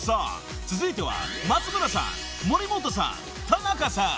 ［続いては松村さん森本さん田中さん］